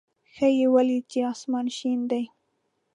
ښه یې ولېده چې اسمان شین دی.